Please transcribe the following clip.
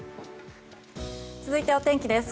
続いて、お天気です。